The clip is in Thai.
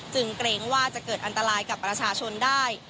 เกรงว่าจะเกิดอันตรายกับประชาชนได้